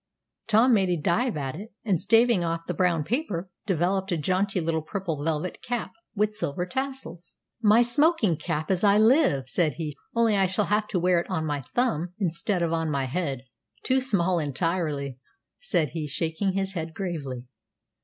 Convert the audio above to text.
Tom made a dive at it, and staving off the brown paper, developed a jaunty little purple velvet cap, with silver tassels. "My smoking cap, as I live!" said he; "only I shall have to wear it on my thumb, instead of my head too small entirely," said he, shaking his head gravely.